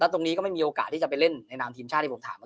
ตรงนี้ก็ไม่มีโอกาสที่จะไปเล่นในนามทีมชาติที่ผมถาม